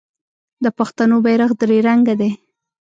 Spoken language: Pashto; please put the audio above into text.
د پښتنو بیرغ درې رنګه دی.